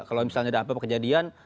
kalau misalnya ada apa apa kejadian